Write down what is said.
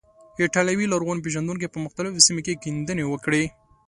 ایټالوي لرغون پیژندونکو په مختلفو سیمو کې کیندنې وکړې.